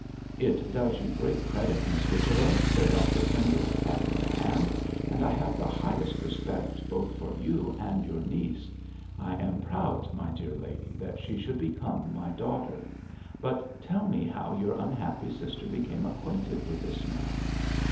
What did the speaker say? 'It does you great credit, Miss Whichello,' said Dr Pendle, patting her hand; 'and I have the highest respect both for you and your niece. I am proud, my dear lady, that she should become my daughter. But tell me how your unhappy sister became acquainted with this man?'